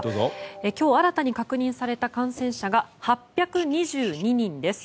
今日新たに確認された感染者が８２２人です。